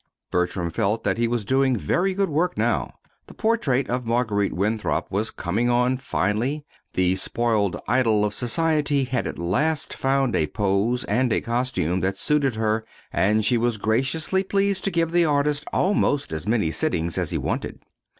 Bertram felt that he was doing very good work now. The portrait of Marguerite Winthrop was coming on finely. The spoiled idol of society had at last found a pose and a costume that suited her, and she was graciously pleased to give the artist almost as many sittings as he wanted.